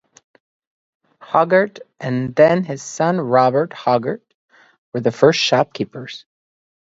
Hoggatt and then his son Robert Hoggatt were the first shopkeepers.